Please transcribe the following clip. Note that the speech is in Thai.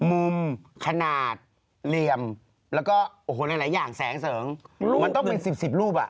มุมขนาดเหลี่ยมแล้วก็โอ้โหหลายอย่างแสงเสริงมันต้องเป็น๑๐รูปอ่ะ